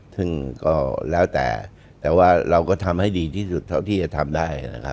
แต่ว่าเราก็ทำให้ดีสุดที่จะทำได้